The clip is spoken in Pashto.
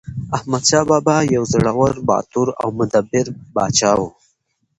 احمدشاه بابا یو زړور، باتور او مدبر پاچا و.